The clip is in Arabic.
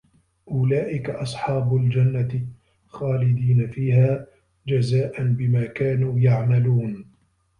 أُولئِكَ أَصحابُ الجَنَّةِ خالِدينَ فيها جَزاءً بِما كانوا يَعمَلونَ